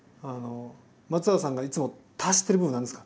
松浦さんがいつも足してる部分何ですか？